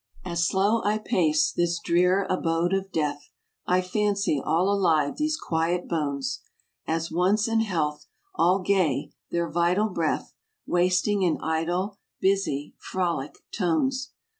As slow I pace this drear abode of death, I fancy all alive these quiet bones, As once in health; all gay, their vital breath Wasting in idle, busy, frolic, tones.